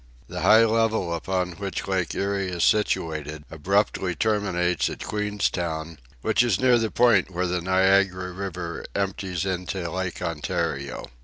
The high level upon which Lake Erie is situated abruptly terminates at Queenstown, which is near the point where the Niagara River empties into Lake Ontario.